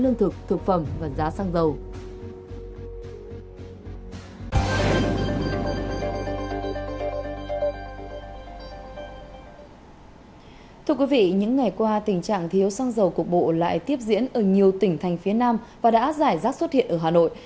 ngoài qua tình trạng thiếu xăng dầu cục bộ lại tiếp diễn ở nhiều tỉnh thành phía nam và đã giải rác xuất hiện ở hà nội